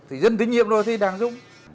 thì dân tín nhiệm rồi thì đảng dung